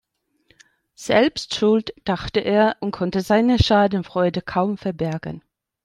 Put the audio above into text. Selbst schuld, dachte er und konnte seine Schadenfreude kaum verbergen.